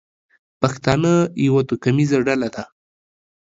پښتانه یوه توکمیزه ډله ده.